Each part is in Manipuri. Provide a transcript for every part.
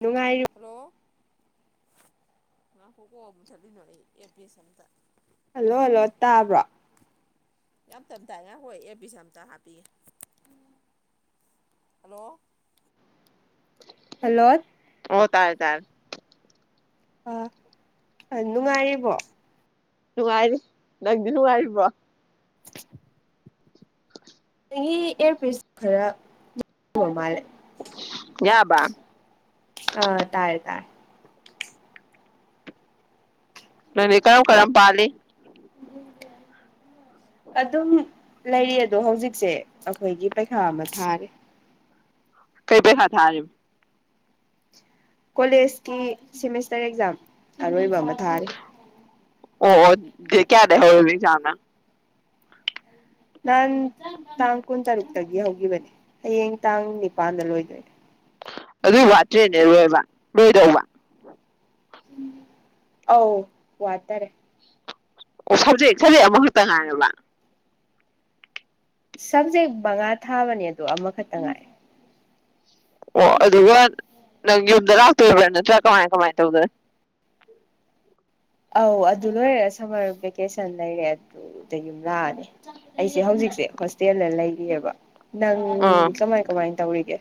ꯅꯨꯡꯉꯥꯏꯔꯨ ꯃꯥ ꯐꯨ ꯀꯣ ꯃ ꯊꯂꯤꯅ ꯑꯦ ꯄꯁꯝꯇ ꯍꯜꯂꯣ ꯍꯜꯂꯣ ꯇꯥꯕ꯭ꯔꯣ ꯌꯥꯝ ꯇꯝ ꯇꯥꯏꯅ ꯉꯥꯏꯈꫭ ꯑꯦꯔꯄꯤꯁ ꯑꯝꯇ ꯍꯥꯞꯄꯤ ꯍꯜꯂꯣ ꯍꯜꯂꯣ ꯑꯣ ꯇꯥꯔꯦ ꯇꯥꯔꯦ ꯑ ꯅꯨꯡꯉꯥꯏꯔꯤꯕꯣ ꯅꯨꯡꯉꯥꯏꯔꯤ ꯅꯪꯗꯤ ꯅꯨꯡꯉꯥꯏꯔꯤꯕ꯭ꯔꯣ [inaudible] [unintelligible] ꯑꯦꯌꯥꯔꯄꯦꯁ ꯈꯔ [unintelligible] ꯕ ꯃꯥꯜꯂꯦ ꯌꯥꯕ? ꯑ ꯇꯥꯔꯦ ꯇꯥꯔꯦ ꯫ ꯅꯪꯗꯤ ꯀꯔꯝ - ꯀꯔꯝ ꯄꯥꯜꯂꯤ? ꯑꯗꯨꯝ ꯂꯩꯔꯤ ꯑꯗꯣ ꯍꯧꯖꯤꯛꯁꯦ ꯑꯩꯈꯣꯏꯒꯤ ꯄꯩꯈꯥ ꯑꯃ ꯊꯥꯔꯤ꯫ ꯀꯩ ꯄꯩꯈꯥ ꯊꯥꯔꯤ? ꯀꯣꯂꯦꯖꯀꯤ ꯁꯦꯃꯤꯁꯇꯔ ꯑꯦꯛꯖꯥꯝ ꯑꯔꯣꯏꯕ ꯑꯃ꯫ ꯊꯥꯔꯤ ꯑꯣ ꯑꯣ ꯗꯦꯠ ꯀꯌꯥꯗꯩꯩ ꯍꯧꯔꯤꯕ ꯑꯛꯖꯥꯝꯅ? ꯅꯍꯥꯟ ꯇꯥꯡ ꯀꯨꯟꯇꯔꯨꯛꯇꯒꯤ ꯍꯧꯈꯤꯕꯅꯦ ꯍꯌꯦꯡ ꯇꯥꯡ ꯅꯤꯄꯥꯟꯗ ꯂꯣꯏꯗꯣꯏꯅꯦ꯫ ꯑꯗꯣꯏ ꯋꯥꯠꯇ꯭ꯔꯦꯅꯦ ꯂꯣꯏꯕ ꯂꯣꯏꯗꯧꯕ꯫ ꯑꯧ ꯋꯥꯠꯇꯔꯦ꯫ ꯁꯕꯖꯦꯛ ꯁꯖꯦꯛ ꯑꯃꯈꯛꯇ ꯉꯥꯏꯔꯕ? ꯁꯕꯖꯦꯛ ꯃꯉꯥ ꯊꯥꯕꯅꯦ ꯑꯗꯣ ꯑꯃꯈꯛꯇ ꯉꯥꯏꯔꯦ꯫ ꯑꯣ ꯑꯗꯨꯒ ꯅꯪ ꯌꯨꯝꯗ ꯂꯥꯛꯇꯣꯏꯕ꯭ꯔꯥ ꯅꯠꯇ꯭ꯔꯥ ꯀꯃꯥꯏ - ꯀꯃꯥꯏ ꯇꯧꯗꯣꯏ? ꯑꯧ ꯑꯗꯨ ꯂꯣꯏꯔꯦ ꯁꯝꯃꯔ ꯚꯦꯀꯦꯁꯟ ꯂꯩꯔꯦ ꯑꯗꯨꯗꯩꯩ ꯌꯨꯝ ꯂꯥꯛꯑꯅꯤ ꯑꯩꯁꯦ ꯍꯧꯖꯤꯛꯁꯦ ꯍꯣꯁꯇꯦꯜꯗ ꯂꯩꯔꯤꯌꯦꯕ꯫ ꯅꯪꯗꯤ ꯀꯃꯥꯏ ꯀꯃꯥꯏꯅ ꯇꯧꯔꯤꯒꯦ?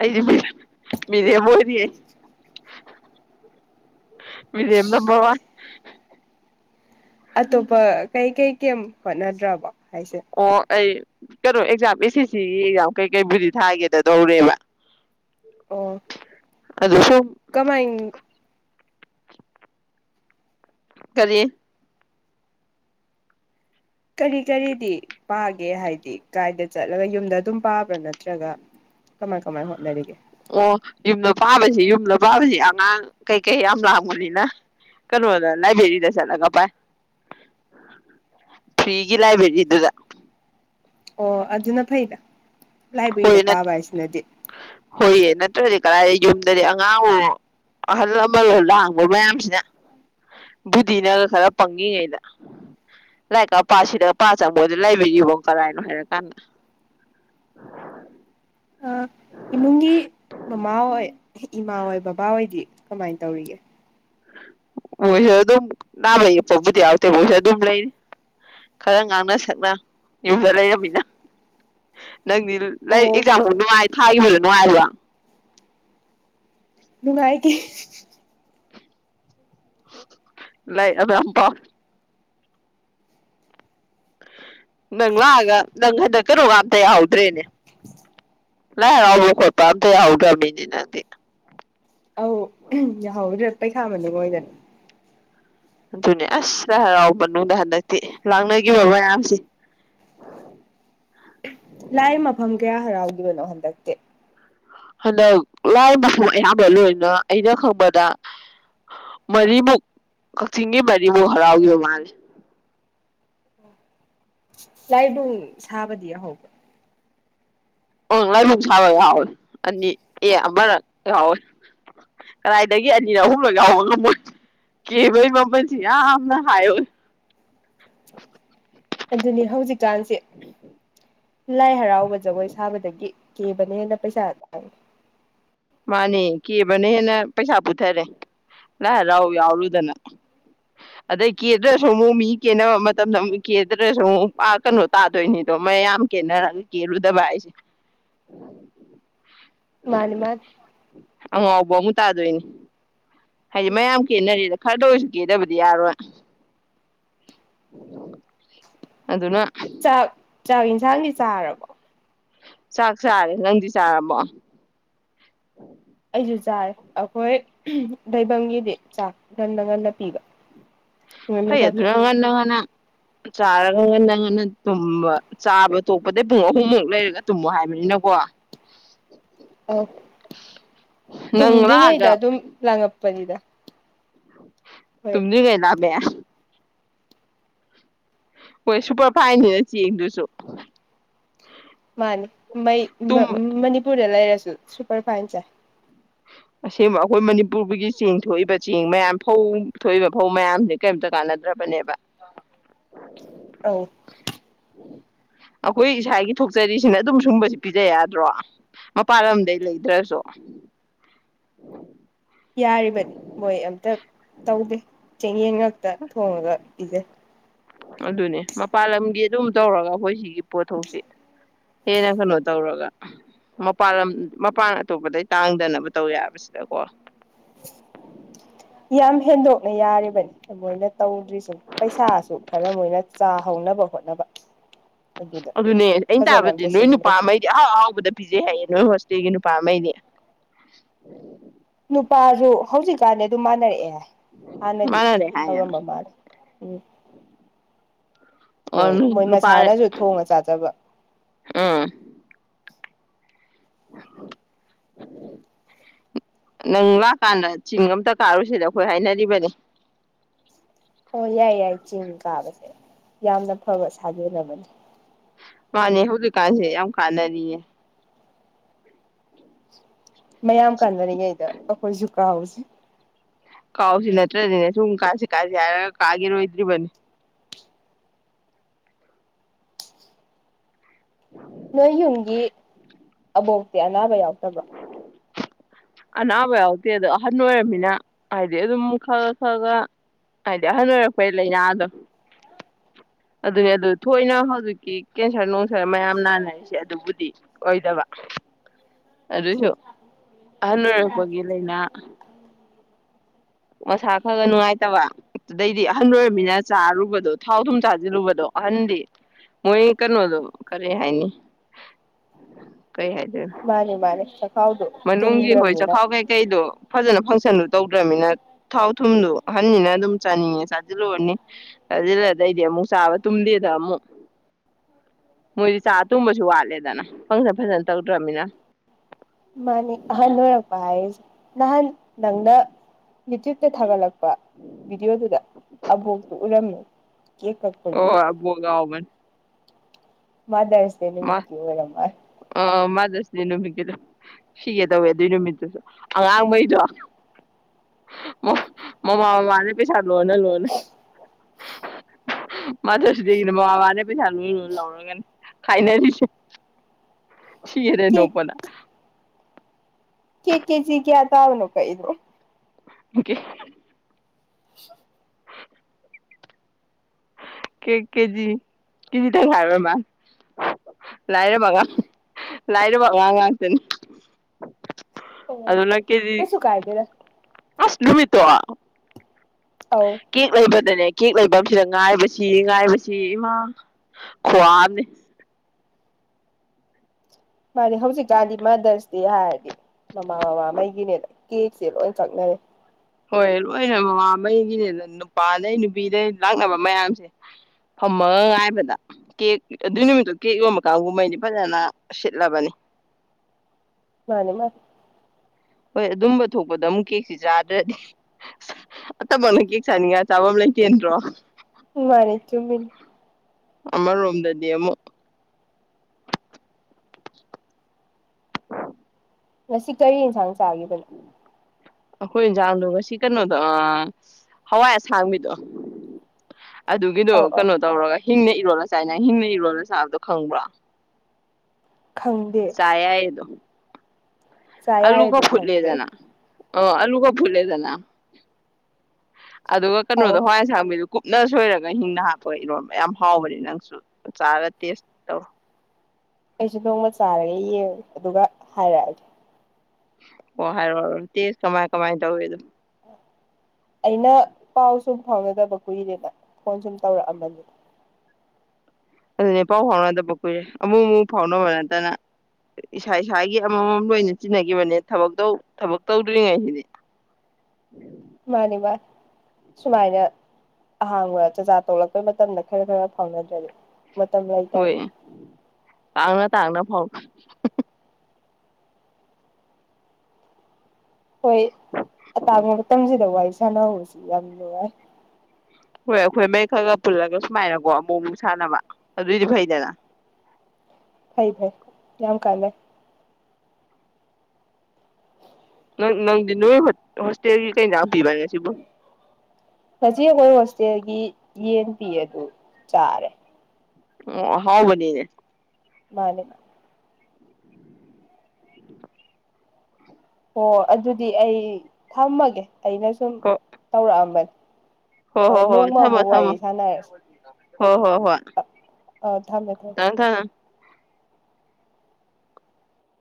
ꯑꯩꯖꯦ [unintelligible] ꯃꯤꯔꯦꯝ ꯑꯣꯏꯔꯤꯌꯦ꯫ ꯃꯤꯔꯦꯝ ꯅꯝꯕꯔ ꯋꯥꯟ ꯫ [inaudible] ꯑꯇꯣꯞꯄ ꯀꯩ ꯀꯩ ꯀꯦꯝ ꯍꯣꯠꯅꯗ꯭ꯔꯕꯣ? ꯍꯥꯏꯁꯦ ꯑꯣ ꯑꯩ ꯀꯩꯅꯣ ꯑꯦꯛꯖꯥꯝ ꯑꯦꯁ ꯑꯦꯁ ꯁꯤ ꯒꯤ ꯑꯦꯛꯖꯥꯝ ꯀꯩꯀꯩꯕꯨꯗꯤ ꯊꯥꯒꯦꯗ ꯇꯧꯔꯦꯕ꯫ ꯑꯣ꯫ ꯑꯗꯨ ꯁꯨꯝ ꯀꯃꯥꯏ ꯀꯔꯤ? ꯀꯔꯤ- ꯀꯔꯤꯗꯤ ꯄꯥꯒꯦ ꯍꯥꯏꯗꯤ ꯀꯥꯏꯗ ꯆꯠꯂꯒ ꯌꯨꯝꯗ ꯑꯗꯨꯝ ꯄꯥꯕ꯭ꯔꯥ ꯅꯠꯇ꯭ꯔꯒ ꯀꯃꯥꯏ- ꯀꯃꯥꯏ ꯍꯣꯠꯅꯔꯤꯒꯦ? ꯑꯣ ꯌꯨꯝꯗ ꯄꯥꯕꯁꯤ ꯌꯨꯝꯗ ꯄꯥꯕꯁꯤ ꯑꯉꯥꯡ ꯀꯩꯀꯩ ꯌꯥꯝ ꯂꯥꯡꯕꯅꯤꯅ ꯀꯩꯅꯣꯗ ꯂꯥꯏꯕ꯭ꯔꯦꯔꯤꯗ ꯆꯠꯂꯒ ꯄꯥꯏ ꯐ꯭ꯔꯤꯒꯤ ꯂꯥꯏꯕ꯭ꯔꯦꯔꯤꯗꯨꯗ꯫ ꯑꯣ ꯑꯗꯨꯅ ꯐꯩꯗ꯫ ꯂꯥꯏꯕ꯭ꯔꯦꯔꯤꯗ ꯍꯣꯌ ꯄꯥꯕ ꯍꯥꯏꯁꯤꯅꯗꯤ ꯍꯣꯏꯌꯦ ꯅꯠꯇꯔꯗꯤ ꯀꯗꯥꯏꯗꯩꯩ ꯌꯨꯝꯗꯗꯤ ꯑꯉꯥꯡꯑꯣ ꯑꯍꯜ ꯂꯃꯜꯑꯣ ꯂꯥꯡꯕ ꯃꯌꯥꯝꯁꯤꯅ ꯕꯨꯙꯤꯅꯒ ꯈꯔ ꯄꯪꯉꯤꯉꯩꯗ ꯂꯥꯏꯔꯤꯛ ꯀ ꯄꯥ ꯁꯤꯗꯒ ꯄꯥ ꯆꯪꯕꯗ ꯂꯥꯏꯕꯔ꯭ꯦꯔꯤ ꯕꯣ ꯀꯗꯥꯥꯏꯅꯣ ꯍꯥꯏꯔꯛ ꯀꯥꯟꯗ꯫ ꯑ ꯏꯃꯨꯡꯒꯤ ꯃꯃꯥ ꯍꯣꯏ ꯏꯃꯥ ꯍꯣꯏ ꯕꯕꯥꯍꯣꯏꯗꯤ ꯀꯃꯥꯏꯅ ꯇꯧꯔꯤꯒꯦ? ꯃꯣꯏꯁꯨ ꯑꯗꯨꯝ ꯅꯥꯕ ꯌꯦꯛꯄꯕꯨꯗꯤ ꯌꯥꯎꯗꯦ ꯃꯣꯏꯁꯨ ꯑꯗꯨꯝ ꯂꯩꯔꯤ ꯈꯔ ꯉꯥꯡꯅ ꯁꯛꯅ ꯌꯨꯝꯗ ꯂꯩꯔꯝꯃꯤꯅ꯫ ꯅꯪꯗꯤ ꯂꯥꯏꯔꯤꯛ ꯑꯣ ꯑꯦꯛꯖꯥꯝ ꯍ ꯅꯨꯡꯉꯥꯏ ꯊꯥꯈꯤꯕ ꯅꯨꯡꯉꯥꯏꯕꯔ꯭? ꯅꯨꯡꯉꯥꯏꯈꯤ꯫ ꯂꯥꯏ ꯑꯗꯨ ꯌꯥꯝ ꯄꯥꯎ꯫ ꯅꯪ ꯂꯥꯛ ꯑꯒꯥ ꯅꯪ ꯍꯟꯗꯛ ꯀꯅꯣꯒ ꯇ ꯌꯥꯎꯗꯔ꯭ꯦꯅꯦ꯫ ꯂꯥꯏ ꯍꯔꯥꯎꯕ ꯈꯣꯠꯄ ꯑꯝꯇ ꯌꯥꯎ ꯗꯔꯝꯅꯤꯅꯦ ꯅꯪꯗꯤ꯫ ꯑꯧ ꯌꯥꯍꯥꯎꯗꯔ꯭ꯦ ꯄꯩꯈ ꯃꯅꯨꯡ ꯑꯣꯏꯗꯅ ꯫ ꯑꯗꯨꯅꯦ ꯑꯁ ꯂꯥꯏ ꯍꯔꯥꯎꯕ ꯃꯅꯨꯡꯗ ꯍꯟꯗꯛꯇꯤ ꯂꯥꯡꯅꯈꯤꯕ ꯃꯌꯥꯝꯁꯦ꯫ ꯂꯥꯏ ꯃꯐꯝ ꯀꯌꯥ ꯍꯔꯥꯎꯈꯤꯕꯅꯣ ꯍꯟꯗꯛꯇꯤ? ꯍꯟꯗꯛ ꯂꯥꯏ ꯃꯐꯝ ꯑꯌꯥꯝꯕ ꯂꯣꯏꯅ ꯑꯩꯅ ꯈꯪꯕꯗ ꯃꯔꯤꯃꯨꯛ ꯀꯛꯆꯤꯡꯒꯤ ꯃꯔꯤꯃꯨꯛ ꯍꯔꯥꯎꯈꯤꯕ ꯃꯥꯜꯂꯦ꯫ ꯂꯥꯏꯕꯨꯡ ꯁꯥꯕꯗꯤ ꯌꯥꯍꯧꯕꯔꯣ? ꯑꯣ ꯂꯥꯏꯕꯨꯡ ꯁꯥꯕ ꯌꯥꯎꯋꯦ ꯑꯅꯤ ꯑꯦ ꯑꯃꯔꯛ ꯌꯥꯎꯋꯤ ꯀꯗꯥꯏꯗꯒꯤ ꯑꯅꯤꯔꯛ ꯀꯔꯥꯏꯗꯒꯤ ꯑꯍꯨꯝꯂꯛ ꯌꯥꯎꯕ ꯉꯝꯃꯣꯏ ꯀꯦꯕꯒꯤ ꯃꯃꯜꯁꯤ ꯌꯥꯝꯅ ꯍꯥꯏꯌꯦ꯫ ꯑꯗꯨꯅꯤ ꯍꯧꯖꯤꯛꯀꯥꯟꯁꯦ ꯂꯥꯏ ꯍꯔꯥꯎ ꯖꯒꯣꯏ ꯁꯥꯕꯗꯒꯤ ꯀꯕꯅꯦ ꯍꯦꯟꯅꯥ ꯄꯩꯁꯥ ꯇ ꯃꯥꯅꯦ ꯀꯦꯕꯅ ꯍꯦꯟꯅ ꯄꯩꯁꯥ ꯄꯨꯊꯔꯦ ꯂꯥꯏ ꯍꯔꯥꯎ ꯌꯥꯎꯔꯨꯗꯅ ꯑꯗꯩ ꯀꯦꯗ꯭ꯔꯁꯨ ꯑꯃꯨꯛ ꯃꯤ ꯀꯦꯟꯅꯕ ꯃꯇꯝꯗ ꯑꯃꯨꯛ ꯀꯦꯗ꯭ꯔꯁꯨ ꯑꯃꯨꯛ ꯀꯩꯅꯣ ꯇꯥꯗꯣꯏꯅꯤꯗꯣ ꯃꯌꯥꯝ ꯀꯦꯟꯅꯔꯒ ꯀꯦꯜꯇꯨꯗꯕ ꯍꯥꯏꯁꯦ ꯃꯥꯅꯤ - ꯃꯥꯅꯤ꯫ ꯑꯉꯥꯎꯕ ꯑꯃꯨꯛ ꯇꯥꯗꯣꯏꯅꯤ꯫ ꯍꯥꯏꯗꯤ ꯃꯌꯥꯝ ꯀꯦꯟꯅꯔꯤ ꯈꯔꯗ ꯑꯣꯏꯔꯁꯨ ꯀꯦꯗꯕꯗꯤ ꯌꯥꯔꯣꯏ꯫ ꯑꯗꯨꯅ ꯆꯥꯛ- ꯆꯥꯛ ꯌꯦꯟꯁꯥꯡꯒꯤ ꯆꯥꯔꯕꯣ? ꯆꯥꯛ ꯆꯥꯔꯦ ꯅꯪꯗꯤ ꯆꯥꯔꯕꯣ? ꯑꯩꯁꯨ ꯆꯥꯔꯦ ꯑꯩꯈꯣꯏ ꯂꯩꯩꯐꯝꯒꯤꯗꯤ ꯆꯥꯛ ꯉꯟꯅ - ꯉꯟꯅ ꯄꯤꯕ꯫ ꯉꯟꯅ ꯐꯩ ꯑꯗꯨꯅꯥ ꯆꯥꯊꯣꯛ ꯉꯟꯅꯥ - ꯉꯟꯅꯥ ꯆꯥꯔꯒ ꯉꯟꯅ - ꯉꯟꯅ ꯇꯨꯝꯕ ꯆꯥꯕ ꯇꯣꯛꯄꯗꯩꯩ ꯄꯨꯡ ꯑꯍꯨꯝꯃꯨꯛ ꯂꯩꯔꯒ ꯇꯨꯝꯃꯣ ꯍꯥꯏꯕꯅꯤꯅꯀꯣ꯫ ꯑ ꯅꯪ ꯇꯨꯝꯗ꯭ꯔꯤꯉꯩꯗ ꯂꯥꯛꯑꯒ ꯑꯗꯨꯝ ꯂꯥꯡꯉꯛ ꯄꯅꯤꯗ ꯇꯨꯝꯗꯔ꯭ꯤ ꯉꯩ ꯂꯥꯝꯃꯦ꯫ ꯍꯣꯏ ꯁꯨꯄꯔ ꯐꯥꯏꯟꯅꯤꯅ ꯆꯦꯡꯁꯤꯁꯨ꯫ ꯃꯥꯅꯤ ꯃꯩ ꯃꯅꯤꯄꯨꯔꯗ ꯂꯩꯔꯁꯦ꯫ ꯁꯨꯄꯔ ꯐꯥꯏꯟ ꯆꯥꯏ꯫ ꯑꯁꯦꯡꯕ ꯑꯩꯈꯣꯏ ꯃꯅꯤꯄꯨꯔꯒꯤ ꯆꯦꯡ ꯊꯣꯛꯏꯕ ꯆꯦꯡ ꯃꯌꯥꯝ ꯐꯧ ꯊꯣꯛꯏꯕ ꯐꯧ ꯃꯌꯥꯝꯁꯦ ꯀꯔꯤꯝꯇ ꯀꯥꯟꯅꯗ꯭ꯔꯕꯅꯦꯕ꯫ ꯑꯧ꯫ ꯑꯩꯈꯣꯏ ꯏꯁꯥꯒꯤ ꯊꯣꯛꯆꯔꯤꯁꯤꯅ ꯑꯗꯨꯝ ꯁꯨꯝꯕꯁꯤ ꯄꯤꯖ ꯌꯥꯗ꯭ꯔꯣ ꯃꯄꯥꯜ ꯂꯝꯗꯩ ꯂꯩꯗ꯭ꯔꯁꯨ꯫ [inaudible] ꯌꯥꯔꯤꯕꯅꯤ ꯃꯣꯏ ꯑꯝꯇ ꯇꯧꯗꯦ ꯌꯦꯟ ꯉꯥꯛꯇ ꯊꯣꯡꯉꯒ ꯄꯤꯖꯩ꯫ ꯑꯗꯨꯅꯦ ꯃꯄꯥꯜ ꯂꯝꯒꯤ ꯑꯗꯨꯝ ꯇꯧꯔꯒ ꯑꯩꯈꯣꯏ ꯁꯤꯒꯤ ꯄꯣꯠꯊꯣꯛꯁꯤ ꯍꯦꯟꯅ ꯀꯩꯅꯣ ꯇꯧꯔꯒ ꯃꯄꯥꯜ ꯂꯝ ꯃꯄꯥꯟ ꯑꯇꯣꯞꯄꯗꯩ ꯇꯥꯡꯗꯅꯕ ꯇꯧ ꯌꯥꯕꯁꯤꯗꯀꯣ ꯌꯥꯝ ꯍꯦꯟꯗꯣꯛꯅ ꯌꯥꯔꯤꯕꯅꯤ ꯃꯣꯏꯅ ꯇꯧꯗ꯭ꯔꯤ ꯄꯩꯁꯥꯁꯨ ꯈꯔ ꯃꯣꯏꯅ ꯆꯥ ꯍꯧꯅꯕ ꯍꯣꯠꯅꯕ ꯑꯗꯨꯗ ꯑꯗꯨꯅꯦ ꯑꯩꯅ ꯐꯖꯅ ꯇꯥꯕꯗꯤ ꯑꯝꯇ ꯅꯣꯏ ꯅꯨꯄꯥ ꯁꯤꯟꯗ꯭ꯔꯦ ꯑꯃꯩꯗꯤ ꯑꯍꯥꯎ ꯑꯍꯥꯎꯕꯗ ꯄꯤꯖꯩ ꯍꯥꯏꯌꯦ ꯍꯁꯇꯦꯒꯤ ꯅꯨꯄꯥꯝꯃꯩꯗꯤ ꯅꯨꯄꯥꯁꯨ ꯍꯧꯖꯤꯛꯀꯥꯟꯗꯤ ꯑꯗꯨꯝ ꯃꯥꯟꯅꯔꯛꯑꯦ ꯍꯥꯟꯅꯗꯤ ꯃꯥꯅꯅꯦꯦ ꯍꯥꯏ ꯌꯥꯝ ꯇꯧꯔꯝꯕ ꯃꯥꯜꯂꯦ ꯎꯝ ꯃꯣꯏ ꯑꯣ ꯃꯣꯏ ꯅꯨꯄꯥ ꯃꯁꯥꯅꯁꯨ ꯊꯣꯡꯅ ꯆꯥꯖꯕ ꯎꯝ ꯅꯪ ꯂꯥꯛꯀꯥꯟꯗ ꯆꯤꯡ ꯑꯝꯇ ꯀꯥꯔꯨꯁꯤꯗ ꯑꯩꯈꯣꯏ ꯍꯥꯏꯅꯔꯤꯕꯅꯤ ꯑꯣ ꯌꯥꯏ ꯌꯥꯏ ꯆꯤꯡ ꯏ ꯀꯥꯕꯦ ꯌꯥꯝꯅ ꯐꯕ ꯁꯥꯖꯅꯕꯅꯤ ꯃꯥꯅꯦ ꯍꯧꯖꯤꯛꯀꯥꯟꯁꯦ ꯌꯥꯝ ꯀꯥꯟꯅꯔꯤꯌꯦ ꯃꯌꯥꯝ ꯀꯥꯟꯅꯔꯤꯉꯩꯗ ꯑꯩꯈꯣꯏꯁꯨꯨ ꯀꯥꯎꯁꯦ ꯀꯥꯎꯁꯤ ꯅꯠꯇ꯭ꯔꯗꯤꯅꯦ ꯁꯨꯝ ꯀꯥꯁ ꯀꯥꯁꯦ ꯍꯥꯏꯔꯒ ꯀꯥꯒꯦꯔꯣꯏꯗ꯭ꯔꯤꯕꯅꯤ ꯅꯣꯏ ꯌꯨꯝꯒꯤ ꯑꯕꯣꯛꯇꯤ ꯑꯅꯥꯕ ꯌꯥꯎꯗꯕ ꯑꯅꯥꯕ ꯌꯥꯎꯗꯦ ꯑꯗꯣ ꯑꯍꯟ ꯑꯣꯏꯔꯕꯝꯃꯤꯅ ꯍꯥꯏꯕꯗꯤ ꯑꯗꯨꯝ ꯈ ꯈ ꯈ ꯍꯥꯏꯗꯤ ꯑꯍꯟ ꯑꯣꯏꯔꯛꯄꯩ ꯂꯥꯏꯅꯥꯗꯣ ꯑꯗꯨꯅꯤ ꯑꯗꯨ ꯊꯣꯏꯅ ꯍꯧꯖꯤꯛꯀꯤ ꯀꯦꯟꯁꯔ ꯅꯨꯡꯁꯔ ꯃꯌꯥꯝ ꯅꯥꯟꯅꯔꯤꯁꯦ ꯑꯗꯨꯕꯨꯗꯤ ꯑꯣꯏꯗꯕ ꯑꯗꯨꯁꯨ ꯑꯍꯜ ꯑꯣꯏꯔꯛꯄꯒꯤ ꯂꯥꯏꯅꯥ ꯃꯁꯥ ꯈꯔ ꯈ ꯅꯨꯡꯉꯥꯏꯇꯕ ꯑꯗꯩꯗꯤ ꯑꯍꯟ ꯑꯣꯏꯔꯕꯃꯤꯅ ꯆꯥꯔꯨꯕꯗꯣ ꯊꯥꯎ ꯊꯨꯝ ꯆꯥꯁꯤꯜꯂꯨꯕꯗꯣ ꯑꯍꯟꯗꯤ ꯃꯣꯏ ꯀꯩꯅꯣꯗꯣ ꯀꯔꯤ ꯍꯥꯏꯅꯤ ꯀꯩ ꯍꯥꯏꯗꯣꯏꯅꯣ ꯃꯥꯅꯤ ꯃꯥꯅꯤ ꯆ ꯃꯅꯨꯡꯒꯤ ꯍꯣꯏ ꯆꯈꯥꯎ ꯀꯩꯀꯩꯗꯣ ꯐꯖꯅ ꯐꯪꯁꯟꯗꯨ ꯇꯧꯗ꯭ꯔꯅꯤꯅ ꯊꯥꯎ ꯊꯨꯝꯗꯨ ꯑꯍꯟꯅꯤꯅ ꯑꯗꯨꯝ ꯆꯥꯅꯤꯡꯉꯦ ꯆꯥꯁꯤꯜꯂꯨꯔꯅꯤ ꯆꯥꯁꯤꯜꯂꯗꯩꯗꯤ ꯑꯃꯨꯛ ꯆꯥꯕ ꯇꯨꯝꯗꯦꯗ ꯑꯃꯨꯛ ꯃꯣꯏꯗꯤ ꯆꯥ ꯇꯨꯝꯕꯁꯨ ꯋꯥꯠꯂꯦꯗꯅ ꯐꯪꯁꯟ ꯐꯖꯅ ꯇꯧꯗ꯭ꯔꯕꯅꯤꯅ ꯃꯥꯅꯤ ꯑꯅꯣꯔꯄ ꯍꯥꯏꯁ ꯅꯍꯥꯟ ꯅꯪꯅ ꯌꯨꯇ꯭ꯌꯨꯕꯇ ꯊꯥꯒꯠꯂꯛꯄ ꯚꯤꯗꯤꯑꯣꯗꯨꯗ ꯑꯕꯣꯛꯇꯨ ꯎꯔꯝꯃꯤ ꯀꯦꯛ ꯀꯛꯄꯒꯤ ꯑꯣꯕꯣꯒꯑꯣꯕ ꯃꯥꯗꯁ ꯁꯦꯝꯅꯤ ꯀ ꯑꯣꯏꯔꯃ ꯃꯗꯗꯤ ꯅꯨꯃꯤꯠꯀꯤꯗ ꯁꯤꯒꯦ ꯇꯧꯋꯦ ꯑꯗꯨꯏ ꯅꯨꯃꯤꯠꯇꯨꯁꯨ ꯑꯉꯥꯡꯉꯩꯗꯣ ꯃꯃꯥ ꯃꯃꯥꯅꯦ ꯄꯩꯁꯥ ꯂꯣꯟꯅ ꯂꯣꯟꯅꯤ ꯃꯗꯁꯨꯗꯤ ꯃꯃꯥ ꯃꯄꯥꯅꯦ ꯄꯩꯁꯥ ꯂꯨ ꯂꯅ ꯂꯧꯔꯒꯅꯤ ꯐꯥꯏꯅꯂꯤꯁ ꯁꯤꯔꯦ ꯅꯣꯄꯅ ꯀꯦ ꯀꯦꯖꯤꯒꯌꯥ ꯇꯥꯎꯅ ꯀꯩꯗꯧ [inaudible] [inaudible] ꯀꯦꯛ ꯀꯦꯖꯤ ꯀꯦꯖꯤꯗꯪ ꯉꯥꯏꯔ ꯃꯥꯜ ꯂꯥꯏꯔꯕ ꯑꯉꯥꯡ ꯂꯥꯏꯔꯕ ꯑꯉꯥꯡ ꯉꯥꯛꯇꯅꯤ ꯑꯣ ꯑꯗꯨꯅ ꯀꯩꯁꯨ ꯀꯥꯏꯗꯦꯗ ꯅꯨꯨꯃꯤꯠꯇ ꯑꯧ ꯀ ꯀꯕꯗꯅꯦ ꯀꯦꯛ ꯂꯩꯐꯝꯁꯤꯗ ꯉꯥꯏꯕꯁꯤ ꯉꯥꯏꯕꯁꯤ ꯏꯃꯥ ꯈꯨꯋꯥꯑꯝꯅꯤ ꯃꯥꯗꯤ ꯍꯧꯖꯤꯛꯀꯥꯟꯗꯤ ꯃꯥꯗꯔꯁ ꯗꯦ ꯍꯥꯏꯔꯗꯤ ꯃꯃꯥ ꯕꯥꯉꯩꯒꯤꯅꯦꯅ ꯀꯦꯛꯁꯦ ꯂꯣꯏ ꯀꯛꯅꯔꯦ ꯍꯣꯏ ꯂꯣꯏꯅ ꯃꯃꯥꯉꯩꯒꯤꯅꯦ ꯅꯨꯄꯥꯗꯩ ꯅꯨꯄꯤꯗꯩ ꯂꯥꯛꯅꯕ ꯃꯌꯥꯝꯁꯦ ꯐꯝꯃꯒ ꯉꯥꯏꯕꯗ ꯀꯦꯛ ꯑꯗꯨꯏ ꯅꯨꯃꯤꯠꯇꯣ ꯀꯦꯛ ꯌꯣꯟꯕ ꯀꯥꯡꯒꯨꯝꯍꯩꯗꯤ ꯐꯖꯅ ꯁꯤꯠꯂꯕꯅꯤ ꯃꯥꯅꯤ ꯃꯥꯅꯤ ꯍꯣꯏ ꯑꯗꯨꯝꯕ ꯊꯣꯛꯄꯗ ꯑꯃꯨꯛ ꯀꯦꯛꯁꯤ ꯆꯥꯗ꯭ꯔꯗꯤ ꯑꯠꯇꯕꯅ ꯀꯦꯛ ꯆꯥꯅꯤꯡꯉꯥꯏ ꯆꯥꯐꯝ ꯂꯩꯇꯦꯟꯗ꯭ꯔꯣ ꯃꯅꯤ ꯆꯨꯝꯃꯤꯅꯤ ꯑꯃꯔꯣꯝꯗꯗꯤ ꯑꯃꯨꯛ ꯉꯁꯤ ꯀꯔꯤ ꯢꯟꯁꯪ ꯆꯥꯒꯤꯕꯅꯣ ꯑꯩꯈꯣꯏ ꯏꯟꯖꯥꯡꯗꯣ ꯉꯁꯤ ꯀꯩꯅꯣꯗꯣ ꯍꯋꯥꯏ ꯑꯁꯥꯡꯕꯤꯗꯣ ꯑꯗꯨꯒꯤꯗꯣ ꯑꯧ ꯑꯧ ꯀꯩꯅꯣ ꯇꯧꯔꯒ ꯍꯤꯡꯅ ꯏꯔꯣꯜꯂ ꯆꯥꯏꯅ ꯍꯤꯡꯅ ꯏꯔꯣꯜꯂ ꯆꯥꯕꯗꯣ ꯈꯪꯕ꯭ꯔꯥ ꯈꯪꯗꯦ ꯆꯥꯏꯑ ꯑꯗꯨ ꯆꯥ ꯌꯥꯏ ꯑꯂꯨꯒ ꯑꯗꯨ ꯈꯪꯗꯦ ꯐꯨꯠꯂꯦꯗꯅ ꯑ ꯑꯂꯨ ꯀ ꯐꯨꯂꯦꯗꯅ ꯑꯗꯨꯒ ꯀꯩꯅꯣꯗꯣ ꯑꯧ ꯍꯋꯥꯏꯟ ꯁꯥꯡꯕꯤꯗꯨ ꯀꯨꯞꯅ ꯁꯣꯏꯔꯒ ꯍꯤꯡꯅ ꯍꯥꯞꯄ ꯏꯔꯣꯟꯕ ꯌꯥꯝ ꯍꯥꯎꯕꯅꯤ ꯅꯪꯁꯨ ꯆꯥꯔꯒ ꯇꯦꯁ ꯇꯧꯔꯣ ꯑꯩꯁꯨ ꯅꯣꯡꯃ ꯆꯥꯔꯒꯦ ꯌꯦꯡꯉ ꯑꯗꯨꯒ ꯍꯥꯏꯔꯛꯑꯒꯦ ꯑꯣ ꯍꯥꯏꯔꯣꯑꯣ ꯍꯥꯏꯔꯣ ꯇꯦ ꯀꯃꯥꯏ ꯀꯃꯥꯏꯅ ꯇꯧꯋꯤ ꯑꯗꯨꯣ ꯑꯩꯅ ꯄꯥꯎ ꯁꯨꯝ ꯐꯥꯎꯅꯗꯕ ꯀꯨꯏꯔꯦꯅ ꯐꯣꯟ ꯁꯨꯝ ꯇꯧꯔꯛꯑꯝꯕꯅꯤ ꯑꯗꯨꯅꯦ ꯄꯥꯎ ꯐꯥꯎꯅꯗꯕ ꯀꯨꯏꯔꯦ ꯑꯃꯨꯛ ꯑꯃꯨꯛ ꯐꯥꯎꯅꯕ ꯅꯠꯇꯅ ꯏꯁꯥ ꯏꯁꯥꯒꯤ ꯑꯃꯃꯝ ꯂꯣꯏꯅ ꯆꯤꯟꯅꯈꯤꯕꯅꯦ ꯊꯕ ꯊꯕꯛ ꯇꯧꯗ꯭ꯔꯤꯉꯩꯁꯤꯗꯤ ꯃꯥꯅꯤ ꯃꯥ ꯁꯨꯃꯥꯏꯅ ꯑꯍꯥꯡꯕ ꯆꯥꯆꯥꯥ ꯇꯣꯂꯛꯄꯩ ꯃꯇꯝꯗ ꯈꯔ ꯈꯔ ꯐꯥꯎꯅꯗ꯭ꯔꯗꯤ ꯃꯇꯝ ꯂꯩꯇꯔꯦ ꯍꯣꯏꯅ ꯇꯥꯡꯅ ꯐꯥꯎ ꯍꯣꯏ ꯑꯇꯥꯡꯕ ꯃꯇꯝꯁꯤꯗ ꯋꯥꯏ ꯁꯥꯟꯅꯍꯁꯤ ꯌꯥꯝ ꯅꯨꯡꯉꯥꯏ ꯍꯣꯏ ꯑꯩꯈꯣꯏ ꯃꯩ ꯈꯔ ꯈ ꯄꯨꯜꯂꯒ ꯁꯨꯃꯥꯏꯅꯀꯣ ꯑꯃꯨꯛ ꯑꯃꯨꯛ ꯁꯥꯟꯅꯕ ꯑꯗꯨꯏꯗꯤ ꯐꯩꯗꯅ ꯐꯩ ꯐꯩ ꯌꯥꯝ ꯀꯂꯦ ꯅ ꯅꯪꯗꯤ ꯅꯣꯏ ꯍꯣꯁꯇꯦꯜꯒꯤ ꯀꯩꯄꯤꯕ ꯉ ꯁꯤꯕꯨ ꯌꯦ ꯄꯤ ꯑꯗꯨ ꯑꯗꯨ ꯆꯥꯔꯦ ꯑꯣ ꯍꯥꯎꯕꯅꯤꯅꯦ ꯃꯥꯅꯤꯃ ꯑꯣ ꯑꯗꯨꯗꯤ ꯑꯩ ꯊꯝꯃꯒꯦ ꯑꯩꯅ ꯁꯨꯝ ꯍꯣ ꯇꯧꯔꯛꯑꯝꯕꯅꯤ ꯍꯣ ꯑ ꯍꯣ ꯍꯣꯏ ꯅꯣꯡꯃ ꯊꯝꯃꯣ ꯑꯃꯨꯛ ꯋꯥꯔꯤ ꯊꯝꯃꯣ ꯁꯥꯟꯅꯔꯁꯤ ꯍꯣ ꯍꯣ ꯍꯣꯏ ꯑ ꯊꯝꯃꯦ ꯊꯝꯃꯦ ꯀ ꯀ